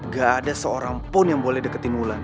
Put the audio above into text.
ga ada seorangpun yang boleh deketin wulan